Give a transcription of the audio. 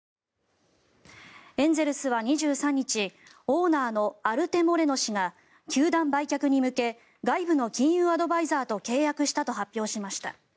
エンゼルスは２３日オーナーのアルテ・モレノ氏が球団売却に向け外部の金融アドバイザーと契約したと発表しました。